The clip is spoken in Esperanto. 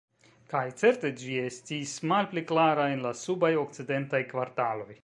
Kaj certe ĝi estis malpli klara en la subaj okcidentaj kvartaloj.